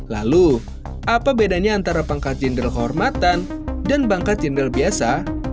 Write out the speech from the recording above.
lalu apa bedanya antara pangkat jenderal kehormatan dan pangkat jenderal biasa